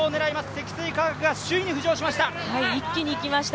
積水化学が首位に浮上しました。